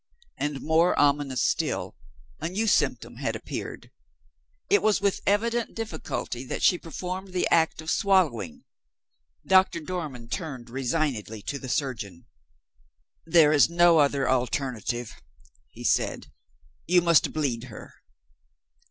And more ominous still, a new symptom had appeared; it was with evident difficulty that she performed the act of swallowing. Doctor Dormann turned resignedly to the surgeon. "There is no other alternative," he said; "you must bleed her."